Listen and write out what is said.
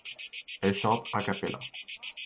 Elle chante a capella.